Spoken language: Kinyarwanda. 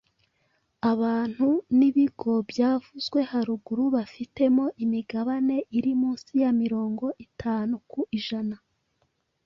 abantu n’ibigo byavuzwe haruguru bafitemo imigabane iri munsi ya mirongo itanu ku ijana